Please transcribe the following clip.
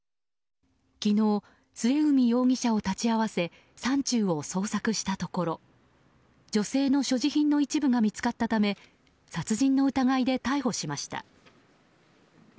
昨日、末海容疑者を立ち会わせ山中を捜索したところ女性の所持品の一部が見つかったため殺人の疑いで逮捕しました。